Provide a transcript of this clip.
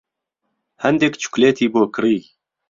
هەندێک چوکلێتی بۆ کڕی.